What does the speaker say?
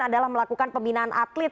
adalah melakukan pembinaan atlet